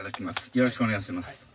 よろしくお願いします。